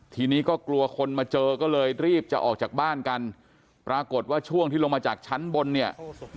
ทีนี้ก็กลัวคนมาเจอก็เลยรีบจะออกจากบ้านกันปรากฏว่าช่วงที่ลงมาจากชั้นบนเนี่ย